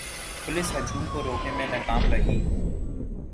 police ہجوم کو روکنے میں ناکام رہی